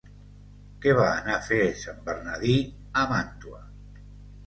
Què va anar a fer sant Bernadí a Màntua?